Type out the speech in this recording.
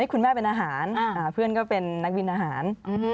คุณแม่เป็นอาหารเพื่อนก็เป็นนักบินอาหาร